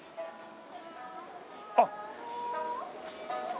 あっ！